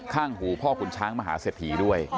ข้างหูพ่อขุนช้างมหาเศรษฐีด้วย